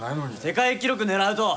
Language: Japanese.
世界記録狙うと。